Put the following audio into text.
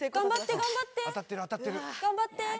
頑張って。